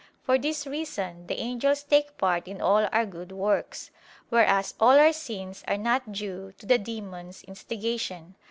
For this reason the angels take part in all our good works: whereas all our sins are not due to the demons' instigation.